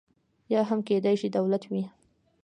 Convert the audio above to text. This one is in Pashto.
یا هم کېدای شي دولت وي.